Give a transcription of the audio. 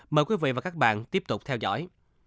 mời quý vị và các bạn tiếp tục theo dõi